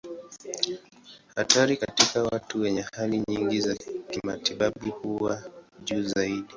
Hatari katika watu wenye hali nyingi za kimatibabu huwa juu zaidi.